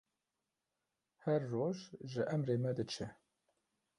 Her roj ji emirê me diçe.